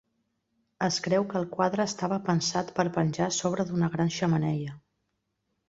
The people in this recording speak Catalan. Es creu que el quadre estava pensat per penjar sobre d'una gran xemeneia.